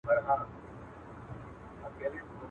حال د ويلو نه دئ، ځای د ښوولو نه دئ.